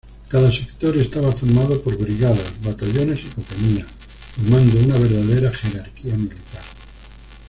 Cada sector estaba formado por brigadas, batallones y compañías, formando una verdadera jerarquía militar.